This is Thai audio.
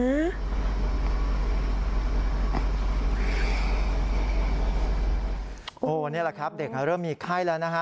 นี่แหละครับเด็กเริ่มมีไข้แล้วนะฮะ